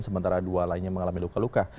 sementara dua lainnya mengalami luka luka